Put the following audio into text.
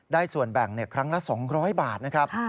ส่วนแบ่งครั้งละ๒๐๐บาทนะครับ